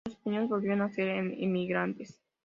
Los españoles volvieron a ser emigrantes.